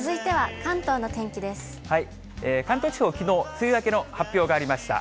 関東地方、きのう、梅雨明けの発表がありました。